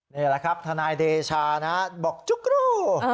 นี่แหละครับทนายเดชานะบอกจุ๊กรู